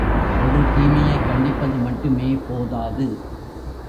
ஒரு தீமையைக் கண்டிப்பது மட்டுமே போதாது.